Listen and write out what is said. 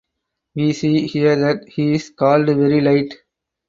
We see here that He is called very Light.